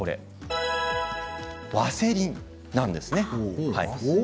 ワセリンなんですね。